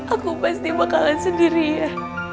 aku pasti bakalan sendirian